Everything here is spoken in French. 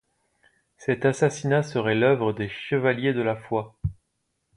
Cet assassinat serait l'œuvre des Chevaliers de la Foi.